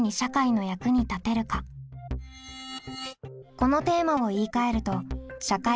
このテーマを言いかえると「社会参加」。